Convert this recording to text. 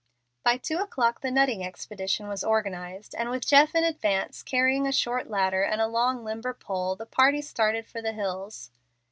By two o'clock the nutting expedition was organized, and with Jeff in advance, carrying a short ladder and a long limber pole, the party started for the hills.